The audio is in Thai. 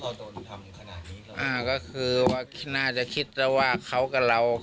เขาโดนทำขนาดนี้กับอ่าก็คือว่าน่าจะคิดแล้วว่าเขากับเรา